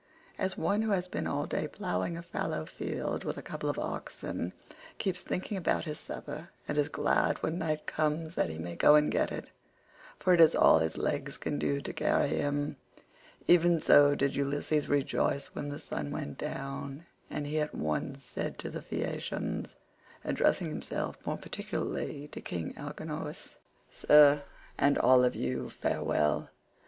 As one who has been all day ploughing a fallow field with a couple of oxen keeps thinking about his supper and is glad when night comes that he may go and get it, for it is all his legs can do to carry him, even so did Ulysses rejoice when the sun went down, and he at once said to the Phaeacians, addressing himself more particularly to King Alcinous: "Sir, and all of you, farewell.